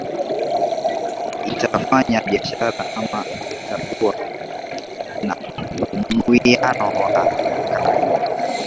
ita itafanya biashara ama itakuwa na uwiyano wa karibu